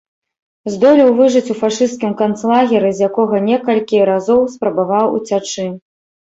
Здолеў выжыць у фашысцкім канцлагеры, з якога некалькі разоў спрабаваў уцячы.